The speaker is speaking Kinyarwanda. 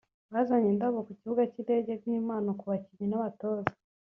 bazanye indabo ku kibuga cy’indege nk’impano ku bakinnyi n’abatoza